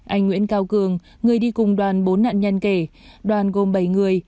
anh nguyễn cao cường người đi cùng đoàn bốn nạn nhân kể đoàn gồm bảy người